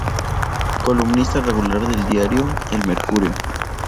Columnista regular del diario "El Mercurio.